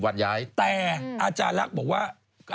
ฟันทง